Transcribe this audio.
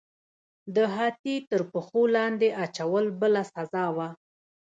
د هاتي تر پښو لاندې اچول بله سزا وه.